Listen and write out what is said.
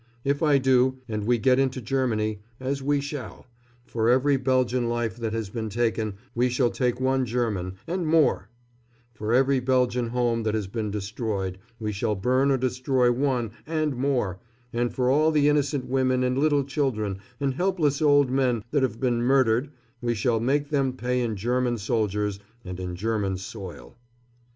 If I do, and we get into Germany as we shall for every Belgian life that has been taken we shall take one German, and more; for every Belgian home that has been destroyed we shall burn or destroy one, and more, and for all the innocent women and little children and helpless old men that have been murdered we shall make them pay in German soldiers and in German soil.